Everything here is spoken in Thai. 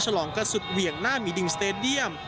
ฉลองกันสุดเหวี่ยงหน้ามีดิงสเตดียม